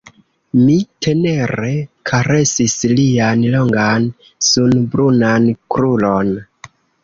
Mi tenere karesis lian longan, sunbrunan kruron.